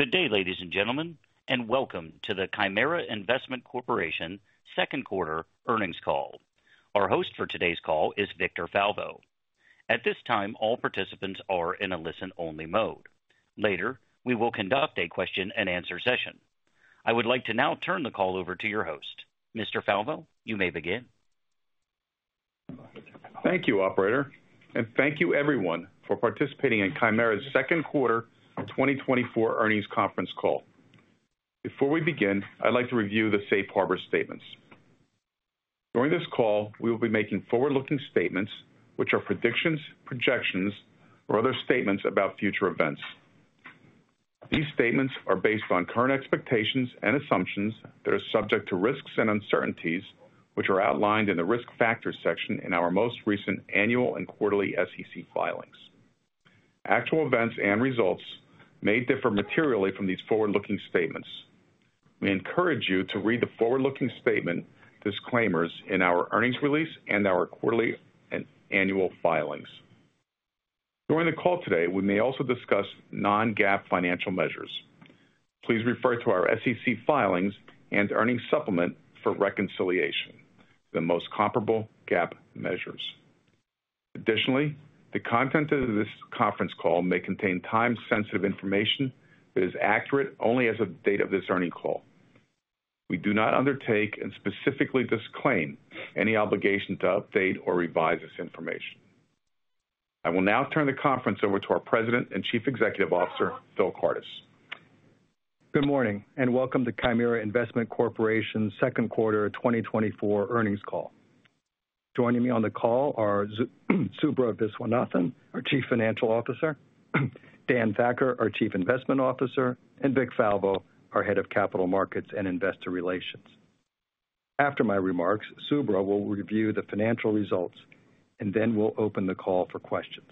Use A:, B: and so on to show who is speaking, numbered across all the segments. A: Good day, ladies and gentlemen, and welcome to the Chimera Investment Corporation second quarter earnings call. Our host for today's call is Victor Falvo. At this time, all participants are in a listen-only mode. Later, we will conduct a question-and-answer session. I would like to now turn the call over to your host. Mr. Falvo, you may begin.
B: Thank you, Operator, and thank you, everyone, for participating in Chimera's second quarter 2024 earnings conference call. Before we begin, I'd like to review the Safe Harbor statements. During this call, we will be making forward-looking statements, which are predictions, projections, or other statements about future events. These statements are based on current expectations and assumptions that are subject to risks and uncertainties, which are outlined in the risk factors section in our most recent annual and quarterly SEC filings. Actual events and results may differ materially from these forward-looking statements. We encourage you to read the forward-looking statement disclaimers in our earnings release and our quarterly and annual filings. During the call today, we may also discuss non-GAAP financial measures. Please refer to our SEC filings and earnings supplement for reconciliation, the most comparable GAAP measures. Additionally, the content of this conference call may contain time-sensitive information that is accurate only as of the date of this earnings call. We do not undertake and specifically disclaim any obligation to update or revise this information. I will now turn the conference over to our President and Chief Executive Officer, Phil Kardis.
C: Good morning, and welcome to Chimera Investment Corporation's second quarter 2024 earnings call. Joining me on the call are Subra Viswanathan, our Chief Financial Officer, Dan Thakkar, our Chief Investment Officer, and Vic Falvo, our Head of Capital Markets and Investor Relations. After my remarks, Subra will review the financial results, and then we'll open the call for questions.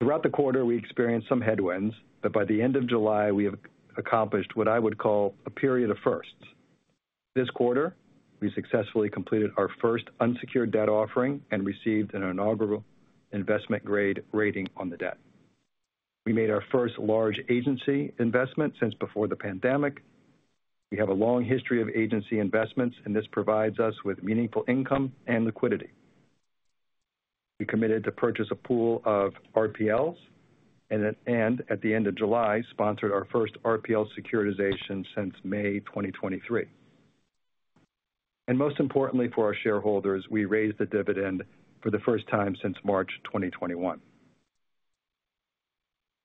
C: Throughout the quarter, we experienced some headwinds, but by the end of July, we have accomplished what I would call a period of firsts. This quarter, we successfully completed our first unsecured debt offering and received an inaugural investment-grade rating on the debt. We made our first large agency investment since before the pandemic. We have a long history of agency investments, and this provides us with meaningful income and liquidity. We committed to purchase a pool of RPLs, and at the end of July, sponsored our first RPL securitization since May 2023. Most importantly, for our shareholders, we raised the dividend for the first time since March 2021.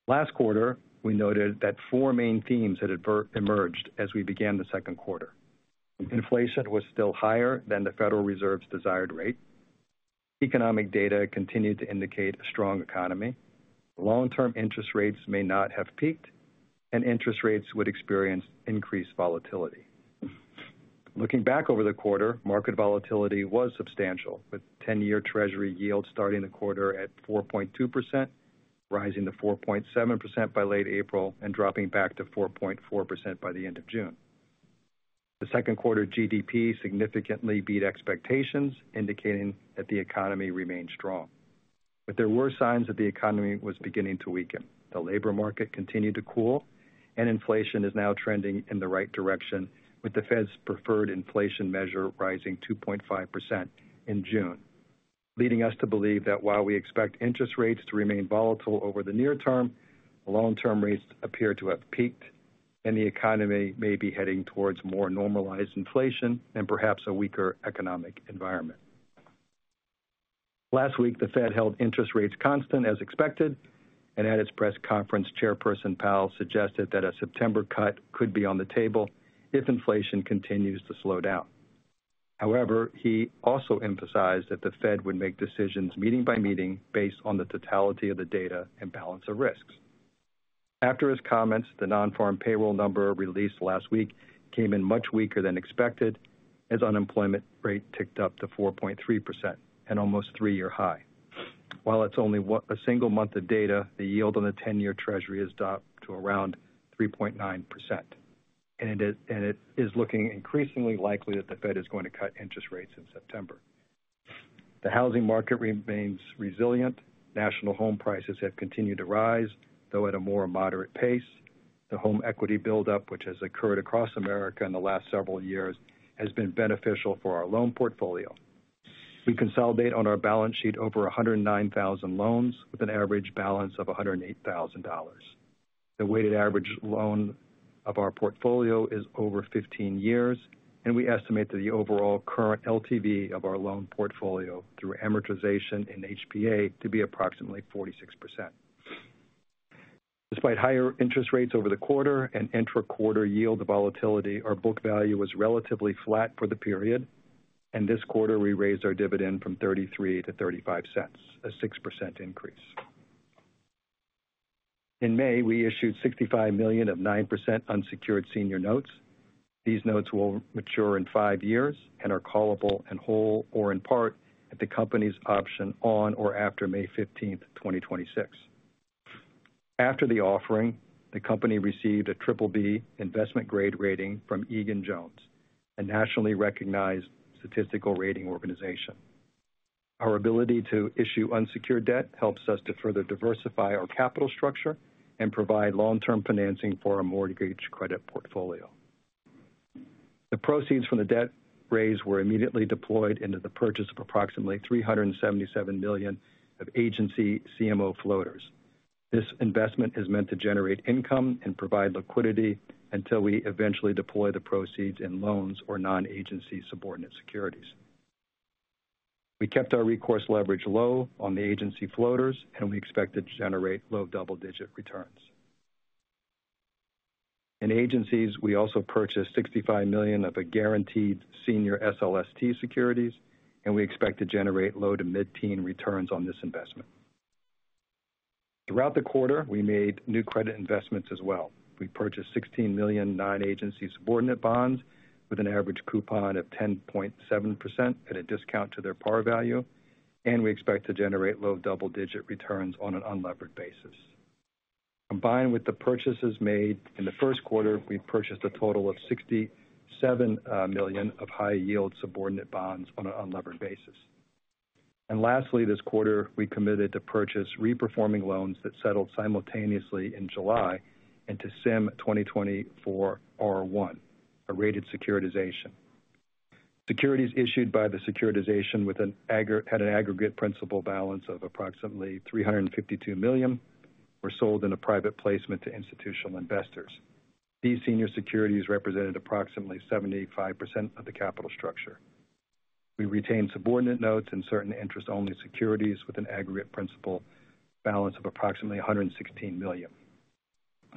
C: Last quarter, we noted that four main themes had emerged as we began the second quarter. Inflation was still higher than the Federal Reserve's desired rate. Economic data continued to indicate a strong economy. Long-term interest rates may not have peaked, and interest rates would experience increased volatility. Looking back over the quarter, market volatility was substantial, with 10-year Treasury yields starting the quarter at 4.2%, rising to 4.7% by late April, and dropping back to 4.4% by the end of June. The second quarter GDP significantly beat expectations, indicating that the economy remained strong. There were signs that the economy was beginning to weaken. The labor market continued to cool, and inflation is now trending in the right direction, with the Fed's preferred inflation measure rising 2.5% in June, leading us to believe that while we expect interest rates to remain volatile over the near term, long-term rates appear to have peaked, and the economy may be heading towards more normalized inflation and perhaps a weaker economic environment. Last week, the Fed held interest rates constant as expected, and at its press conference, Chairperson Powell suggested that a September cut could be on the table if inflation continues to slow down. However, he also emphasized that the Fed would make decisions meeting by meeting based on the totality of the data and balance of risks. After his comments, the non-farm payroll number released last week came in much weaker than expected as unemployment rate ticked up to 4.3%, an almost three-year high. While it's only a single month of data, the yield on the 10-year Treasury has dropped to around 3.9%, and it is looking increasingly likely that the Fed is going to cut interest rates in September. The housing market remains resilient. National home prices have continued to rise, though at a more moderate pace. The home equity buildup, which has occurred across America in the last several years, has been beneficial for our loan portfolio. We consolidate on our balance sheet over 109,000 loans with an average balance of $108,000. The weighted average loan of our portfolio is over 15 years, and we estimate that the overall current LTV of our loan portfolio through amortization in HPA to be approximately 46%. Despite higher interest rates over the quarter and intra-quarter yield volatility, our book value was relatively flat for the period, and this quarter we raised our dividend from $0.33 to $0.35, a 6% increase. In May, we issued $65 million of 9% unsecured senior notes. These notes will mature in five years and are callable in whole or in part at the company's option on or after May 15, 2026. After the offering, the company received a BBB investment-grade rating from Egan-Jones, a nationally recognized statistical rating organization. Our ability to issue unsecured debt helps us to further diversify our capital structure and provide long-term financing for our mortgage credit portfolio. The proceeds from the debt raise were immediately deployed into the purchase of approximately $377 million of Agency CMO floaters. This investment is meant to generate income and provide liquidity until we eventually deploy the proceeds in loans or non-agency subordinate securities. We kept our recourse leverage low on the agency floaters, and we expect to generate low double-digit returns. In agencies, we also purchased $65 million of a guaranteed senior SLST securities, and we expect to generate low to mid-teen returns on this investment. Throughout the quarter, we made new credit investments as well. We purchased $16 million non-agency subordinate bonds with an average coupon of 10.7% at a discount to their par value, and we expect to generate low double-digit returns on an unlevered basis. Combined with the purchases made in the first quarter, we purchased a total of $67 million of high-yield subordinate bonds on an unlevered basis. Lastly, this quarter, we committed to purchase reperforming loans that settled simultaneously in July into CIM 2024-R1, a rated securitization. Securities issued by the securitization had an aggregate principal balance of approximately $352 million and were sold in a private placement to institutional investors. These senior securities represented approximately 75% of the capital structure. We retained subordinate notes and certain interest-only securities with an aggregate principal balance of approximately $116 million.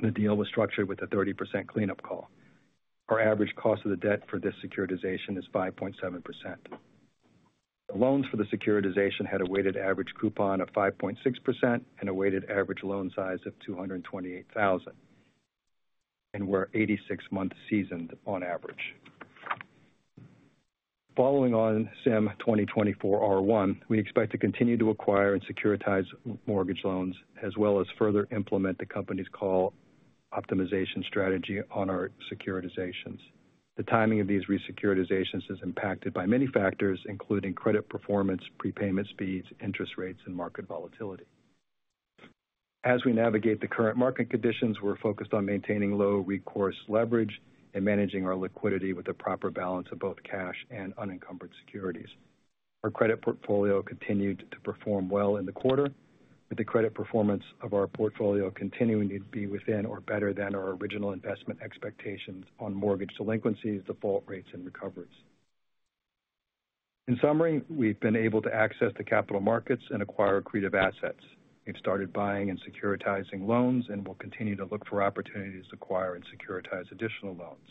C: The deal was structured with a 30% cleanup call. Our average cost of the debt for this securitization is 5.7%. The loans for the securitization had a weighted average coupon of 5.6% and a weighted average loan size of 228,000, and were 86-month seasoned on average. Following on CIM 2024-R1, we expect to continue to acquire and securitize mortgage loans as well as further implement the company's call optimization strategy on our securitizations. The timing of these resecuritizations is impacted by many factors, including credit performance, prepayment speeds, interest rates, and market volatility. As we navigate the current market conditions, we're focused on maintaining low recourse leverage and managing our liquidity with a proper balance of both cash and unencumbered securities. Our credit portfolio continued to perform well in the quarter, with the credit performance of our portfolio continuing to be within or better than our original investment expectations on mortgage delinquencies, default rates, and recoveries. In summary, we've been able to access the capital markets and acquire creative assets. We've started buying and securitizing loans and will continue to look for opportunities to acquire and securitize additional loans.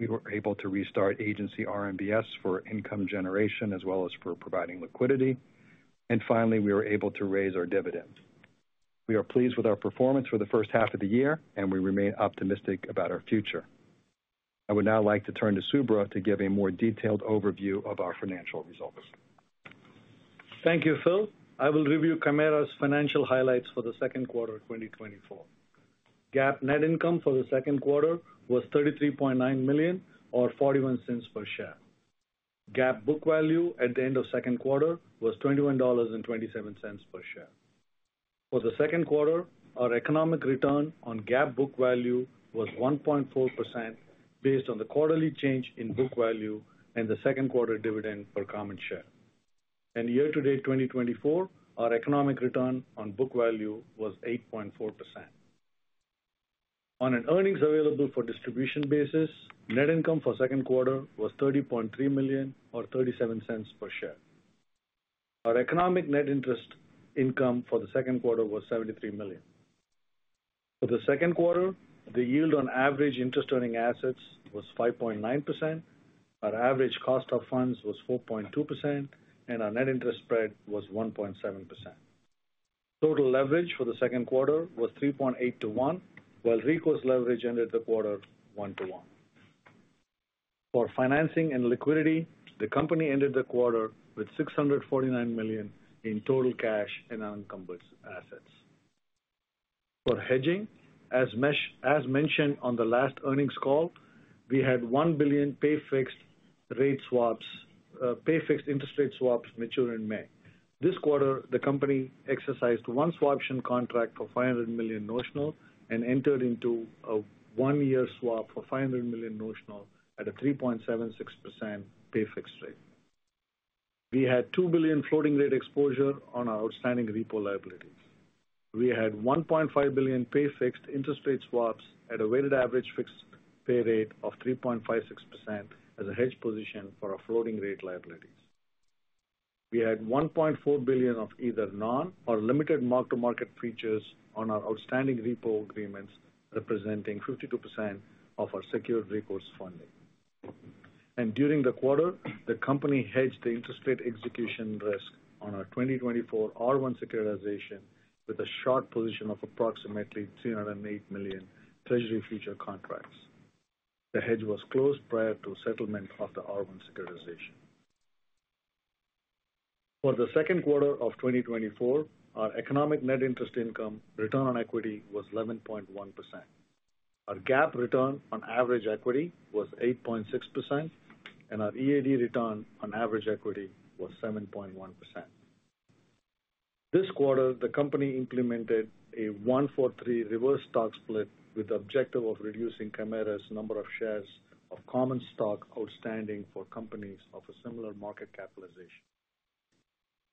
C: We were able to restart agency RMBS for income generation as well as for providing liquidity. Finally, we were able to raise our dividends. We are pleased with our performance for the first half of the year, and we remain optimistic about our future. I would now like to turn to Subra to give a more detailed overview of our financial results.
D: Thank you, Phil. I will review Chimera's financial highlights for the second quarter 2024. GAAP net income for the second quarter was $33.9 million or $0.41 per share. GAAP book value at the end of second quarter was $21.27 per share. For the second quarter, our economic return on GAAP book value was 1.4% based on the quarterly change in book value and the second quarter dividend per common share. Year-to-date 2024, our economic return on book value was 8.4%. On an earnings-available-for-distribution basis, net income for second quarter was $30.3 million or $0.37 per share. Our economic net interest income for the second quarter was $73 million. For the second quarter, the yield on average interest-earning assets was 5.9%. Our average cost of funds was 4.2%, and our net interest spread was 1.7%. Total leverage for the second quarter was 3.8 to 1, while recourse leverage ended the quarter one to one. For financing and liquidity, the company ended the quarter with $649 million in total cash and unencumbered assets. For hedging, as mentioned on the last earnings call, we had $1 billion pay-fixed interest rate swaps mature in May. This quarter, the company exercised one swaption contract for $500 million notional and entered into a one-year swap for $500 million notional at a 3.76% pay-fixed rate. We had $2 billion floating-rate exposure on our outstanding repo liabilities. We had $1.5 billion pay-fixed interest rate swaps at a weighted average fixed pay rate of 3.56% as a hedge position for our floating-rate liabilities. We had $1.4 billion of either non- or limited mark-to-market features on our outstanding repo agreements, representing 52% of our secured recourse funding. During the quarter, the company hedged the interest rate execution risk on our 2024 R1 securitization with a short position of approximately $308 million Treasury futures contracts. The hedge was closed prior to settlement of the R1 securitization. For the second quarter of 2024, our economic net interest income return on equity was 11.1%. Our GAAP return on average equity was 8.6%, and our EAD return on average equity was 7.1%. This quarter, the company implemented a 1-for-3 reverse stock split with the objective of reducing Chimera's number of shares of common stock outstanding for companies of a similar market capitalization.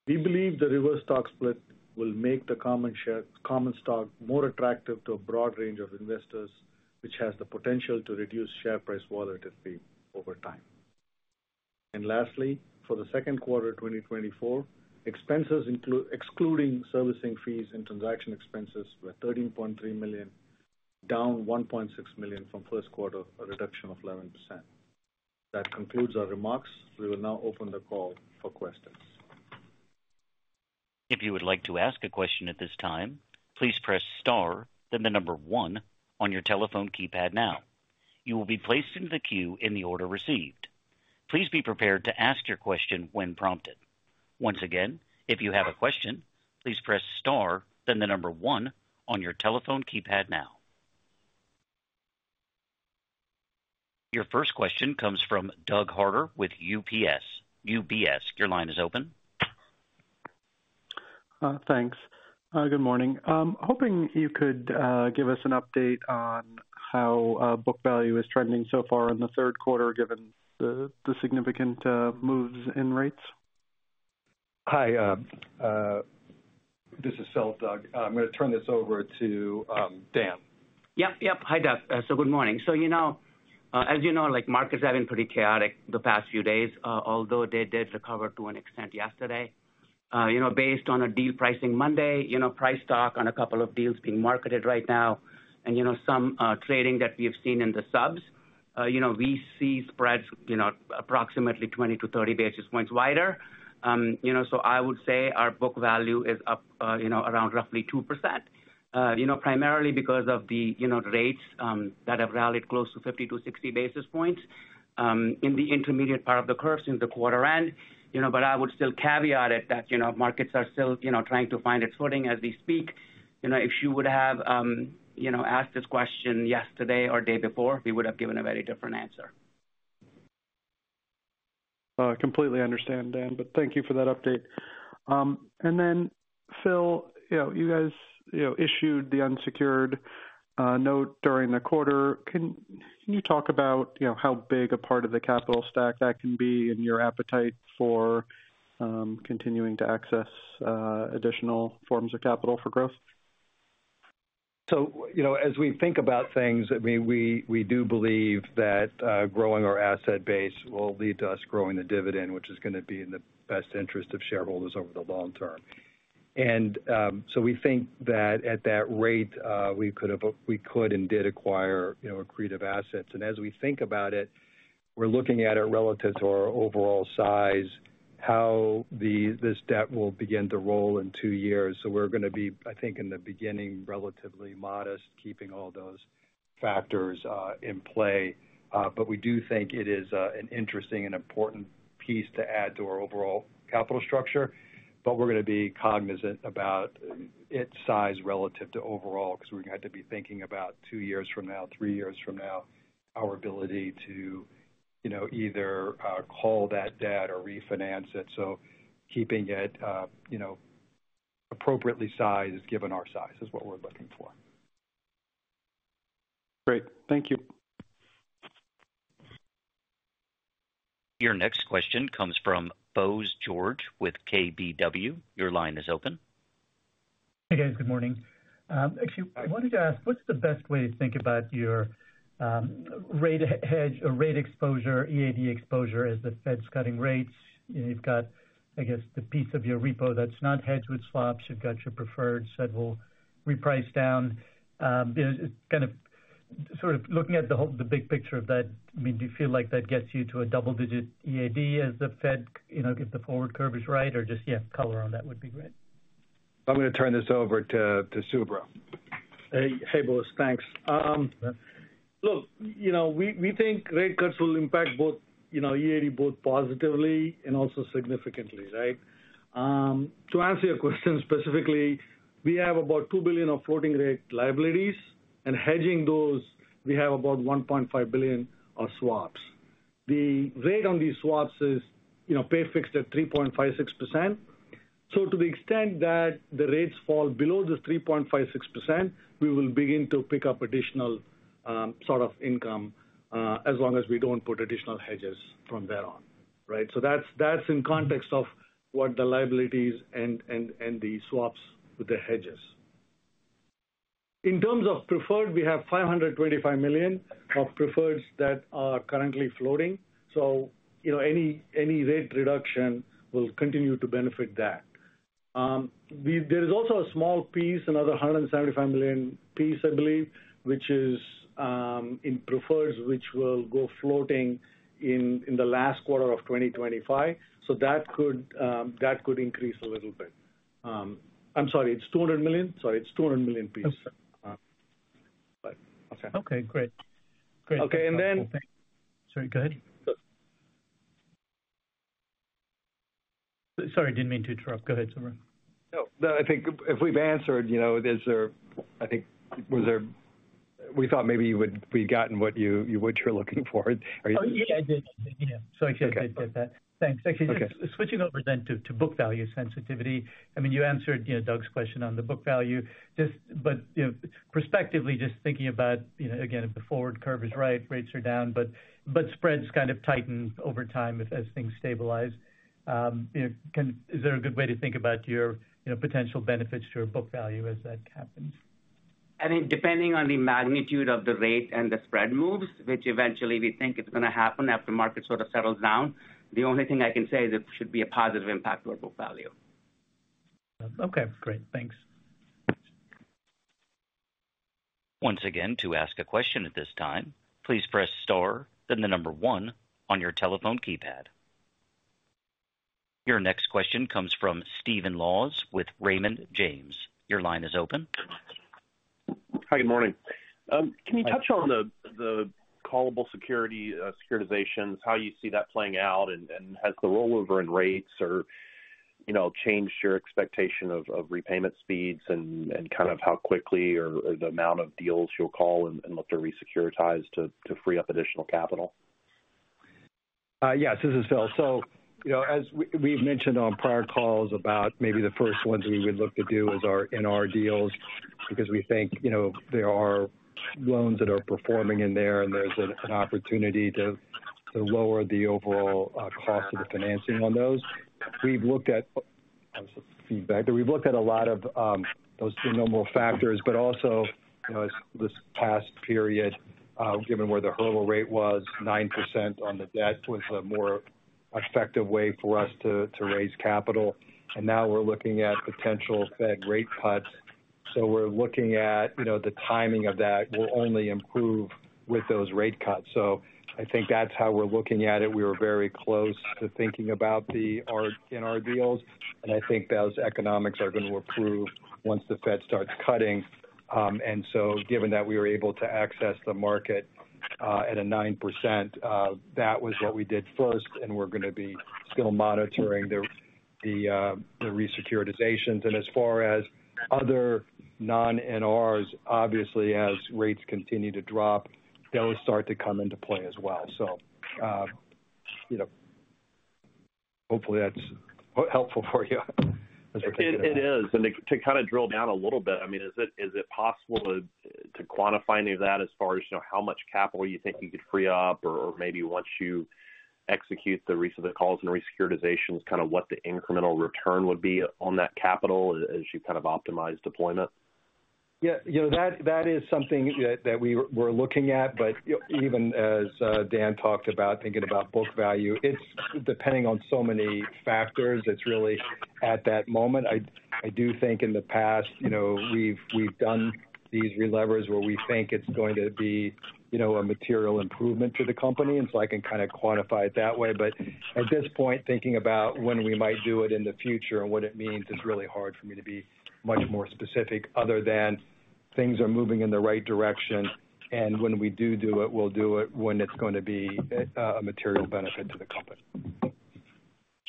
D: We believe the reverse stock split will make the common stock more attractive to a broad range of investors, which has the potential to reduce share price volatility over time. And lastly, for the second quarter 2024, expenses excluding servicing fees and transaction expenses were $13.3 million, down $1.6 million from first quarter, a reduction of 11%. That concludes our remarks. We will now open the call for questions.
A: If you would like to ask a question at this time, please press star, then the number one on your telephone keypad now. You will be placed into the queue in the order received. Please be prepared to ask your question when prompted. Once again, if you have a question, please press star, then the number one on your telephone keypad now. Your first question comes from Doug Harter with UBS. Your line is open.
E: Thanks. Good morning. Hoping you could give us an update on how book value is trending so far in the third quarter given the significant moves in rates.
C: Hi. This is Phil Kardis. I'm going to turn this over to Dan.
F: Yep, yep. Hi, Doug. So good morning. So as you know, markets have been pretty chaotic the past few days, although they did recover to an extent yesterday. Based on a deal pricing Monday, price talk on a couple of deals being marketed right now, and some trading that we have seen in the subs, we see spreads approximately 20-30 basis points wider. So I would say our book value is up around roughly 2%, primarily because of the rates that have rallied close to 50-60 basis points in the intermediate part of the curve since the quarter end. But I would still caveat it that markets are still trying to find its footing as we speak. If you would have asked this question yesterday or the day before, we would have given a very different answer.
E: Completely understand, Dan, but thank you for that update. And then, Phil, you guys issued the unsecured note during the quarter. Can you talk about how big a part of the capital stack that can be in your appetite for continuing to access additional forms of capital for growth?
C: So as we think about things, I mean, we do believe that growing our asset base will lead to us growing the dividend, which is going to be in the best interest of shareholders over the long term. And so we think that at that rate, we could and did acquire accretive assets. And as we think about it, we're looking at it relative to our overall size, how this debt will begin to roll in two years. So we're going to be, I think, in the beginning, relatively modest, keeping all those factors in play. But we do think it is an interesting and important piece to add to our overall capital structure. But we're going to be cognizant about its size relative to overall because we're going to have to be thinking about 2 years from now, 3 years from now, our ability to either call that debt or refinance it. So keeping it appropriately sized is given our size is what we're looking for.
E: Great. Thank you.
A: Your next question comes from Bose George with KBW. Your line is open.
G: Hey, guys. Good morning. Actually, I wanted to ask, what's the best way to think about your rate hedge or rate exposure, EAD exposure, as the Fed's cutting rates? You've got, I guess, the piece of your repo that's not hedged with swaps. You've got your preferred. Said we'll reprice down. Kind of sort of looking at the big picture of that, I mean, do you feel like that gets you to a double-digit EAD as the Fed, if the forward curve is right, or just, yeah, color on that would be great.
C: I'm going to turn this over to Subra.
D: Hey, Bose. Thanks. Look, we think rate cuts will impact both EAD both positively and also significantly, right? To answer your question specifically, we have about $2 billion of floating-rate liabilities, and hedging those, we have about $1.5 billion of swaps. The rate on these swaps is pay-fixed at 3.56%. So to the extent that the rates fall below this 3.56%, we will begin to pick up additional sort of income as long as we don't put additional hedges from there on, right? So that's in context of what the liabilities and the swaps with the hedges. In terms of preferred, we have $525 million of preferreds that are currently floating. So any rate reduction will continue to benefit that. There is also a small piece, another $175 million piece, I believe, which is in preferreds, which will go floating in the last quarter of 2025. So that could increase a little bit. I'm sorry, it's $200 million? Sorry, it's $200 million piece.
G: Okay. Okay. Great. Great.
C: Okay. And then.
G: Sorry. Go ahead.
C: Sorry. Didn't mean to interrupt. Go ahead, Subra.
D: No. I think if we've answered, I think we thought maybe we'd gotten what you're looking for.
C: Oh, yeah. I did. Yeah. So I should have said that. Thanks. Actually,
G: just switching over then to book value sensitivity. I mean, you answered Doug's question on the book value. But prospectively, just thinking about, again, if the forward curve is right, rates are down, but spreads kind of tighten over time as things stabilize. Is there a good way to think about your potential benefits to your book value as that happens?
F: I mean, depending on the magnitude of the rate and the spread moves, which eventually we think is going to happen after market sort of settles down, the only thing I can say is it should be a positive impact to our book value.
G: Okay. Great. Thanks.
A: Once again, to ask a question at this time, please press star, then the number one on your telephone keypad. Your next question comes from Stephen Laws with Raymond James. Your line is open.
H: Hi. Good morning. Can you touch on the callable securitizations, how you see that playing out, and has the rollover in rates changed your expectation of repayment speeds and kind of how quickly or the amount of deals you'll call and look to resecuritize to free up additional capital?
C: Yes. This is Phil. As we've mentioned on prior calls about maybe the first ones we would look to do is our NR deals because we think there are loans that are performing in there and there's an opportunity to lower the overall cost of the financing on those. We've looked at feedback. We've looked at a lot of those nominal factors, but also this past period, given where the hurdle rate was, 9% on the debt was a more effective way for us to raise capital. Now we're looking at potential Fed rate cuts. We're looking at the timing of that will only improve with those rate cuts. I think that's how we're looking at it. We were very close to thinking about the NR deals, and I think those economics are going to improve once the Fed starts cutting. And so given that we were able to access the market at a 9%, that was what we did first, and we're going to be still monitoring the resecuritizations. And as far as other non-NRs, obviously, as rates continue to drop, they'll start to come into play as well. So hopefully that's helpful for you as we're thinking about it.
H: It is. And to kind of drill down a little bit, I mean, is it possible to quantify any of that as far as how much capital you think you could free up or maybe once you execute the calls and resecuritizations, kind of what the incremental return would be on that capital as you kind of optimize deployment?
C: Yeah. That is something that we were looking at. But even as Dan talked about thinking about book value, it's depending on so many factors. It's really at that moment. I do think in the past we've done these relevers where we think it's going to be a material improvement to the company. And so I can kind of quantify it that way. But at this point, thinking about when we might do it in the future and what it means is really hard for me to be much more specific other than things are moving in the right direction. And when we do do it, we'll do it when it's going to be a material benefit to the company.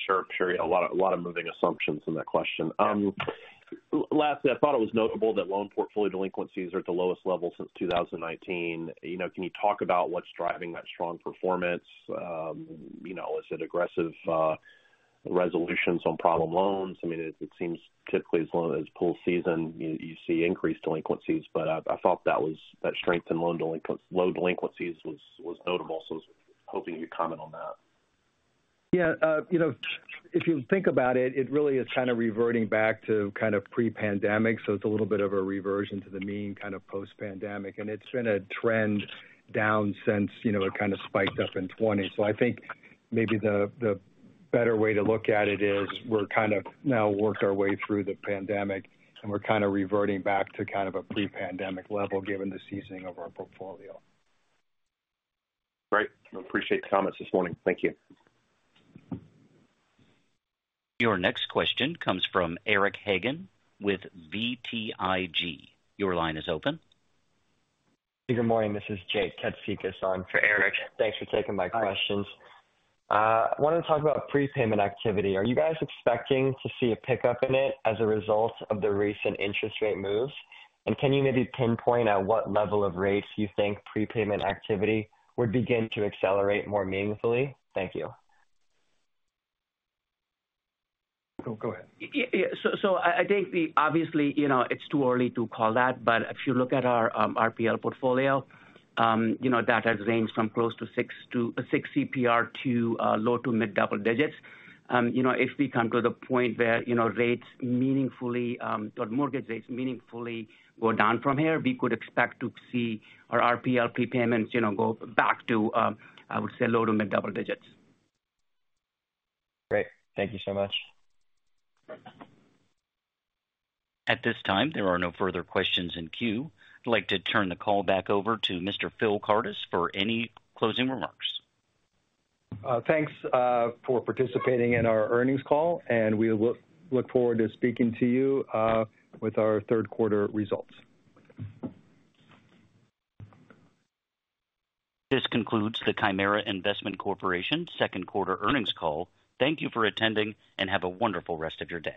H: Sure. Sure. A lot of moving assumptions in that question. Lastly, I thought it was notable that loan portfolio delinquencies are at the lowest level since 2019. Can you talk about what's driving that strong performance? Is it aggressive resolutions on problem loans? I mean, it seems typically as long as pool season, you see increased delinquencies. But I thought that strength in loan delinquencies was notable. So I was hoping you'd comment on that.
C: Yeah. If you think about it, it really is kind of reverting back to kind of pre-pandemic. So it's a little bit of a reversion to the mean kind of post-pandemic. And it's been a trend down since it kind of spiked up in 2020. So I think maybe the better way to look at it is we're kind of now worked our way through the pandemic, and we're kind of reverting back to kind of a pre-pandemic level given the seasoning of our portfolio.
H: Great. Appreciate the comments this morning. Thank you.
A: Your next question comes from Eric Hagen with BTIG. Your line is open.
I: Good morning. This is Jake Katsikas on for Eric. Thanks for taking my questions. I wanted to talk about prepayment activity. Are you guys expecting to see a pickup in it as a result of the recent interest rate moves? And can you maybe pinpoint at what level of rates you think prepayment activity would begin to accelerate more meaningfully? Thank you.
C: Go ahead.
F: I think obviously it's too early to call that. But if you look at our RPL portfolio, that has ranged from close to 6 CPR to low to mid double digits. If we come to the point where mortgage rates meaningfully go down from here, we could expect to see our RPL prepayments go back to, I would say, low to mid double digits.
I: Great. Thank you so much.
A: At this time, there are no further questions in queue. I'd like to turn the call back over to Mr. Phil Kardis for any closing remarks.
C: Thanks for participating in our earnings call, and we look forward to speaking to you with our third quarter results.
A: This concludes the Chimera Investment Corporation second quarter earnings call. Thank you for attending and have a wonderful rest of your day.